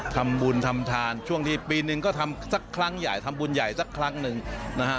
ทำบุญทำทานช่วงที่ปีหนึ่งก็ทำสักครั้งใหญ่ทำบุญใหญ่สักครั้งหนึ่งนะฮะ